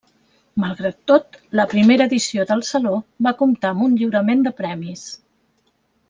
Malgrat tot, la primera edició del Saló va comptar amb un lliurament de premis.